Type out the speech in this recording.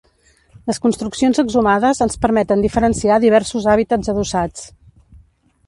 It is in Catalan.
Les construccions exhumades ens permeten diferenciar diversos hàbitats adossats.